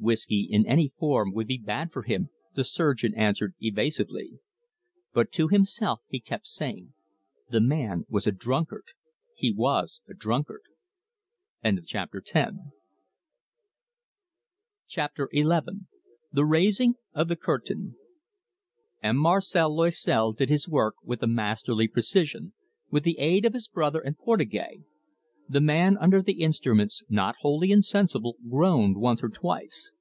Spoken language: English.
"Whiskey in any form would be bad for him," the surgeon answered evasively. But to himself he kept saying: "The man was a drunkard he was a drunkard." CHAPTER XI. THE RAISING OF THE CURTAIN M. Marcel Loisel did his work with a masterly precision, with the aid of his brother and Portugais. The man under the instruments, not wholly insensible, groaned once or twice.